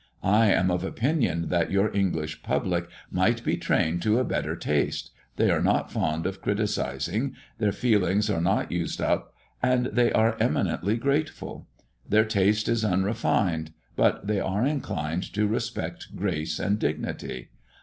I am of opinion that your English public might be trained to a better taste; they are not fond of criticising; their feelings are not used up, and they are eminently grateful. Their taste is unrefined, but they are inclined to respect grace and dignity.